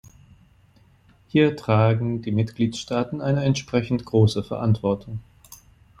Hier tragen die Mitgliedstaaten eine entsprechend große Verantwortung.